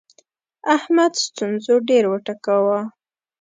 احمد ستونزو ډېر وټکاوو.